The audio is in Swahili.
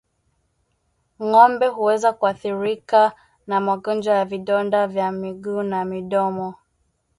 Ngombe huweza kuathirika na magonjwa ya vidonda vya miguu na midomo